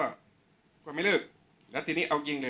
ช่างแอร์เนี้ยคือล้างหกเดือนครั้งยังไม่แอร์